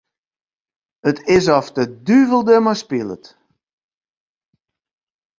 It is oft de duvel dermei spilet.